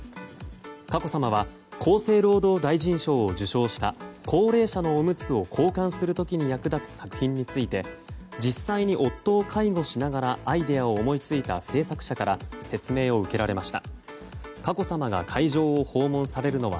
佳子さまは厚生労働大臣賞を受賞した高齢者のおむつを交換する時に役立つ作品について実際に夫を介護しながらアイデアを思い付いた制作者から説明を受けられました。